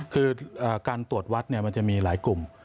คือการตรวจวัดมันจะมีหลายกลุ่ม